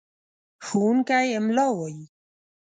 ښوونکی املا وايي.